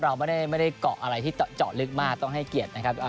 เราไม่ได้เกาะอะไรที่เจาะลึกมากต้องให้เกียรตินะครับ